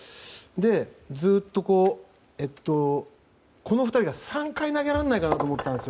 ずっとこの２人が３回投げられないかなと思ってたんです。